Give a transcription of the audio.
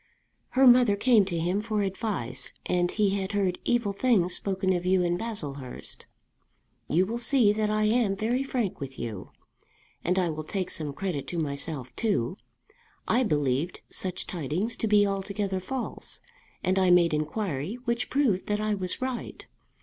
Her mother came to him for advice, and he had heard evil things spoken of you in Baslehurst. You will see that I am very frank with you. And I will take some credit to myself too. I believed such tidings to be altogether false, and I made inquiry which proved that I was right.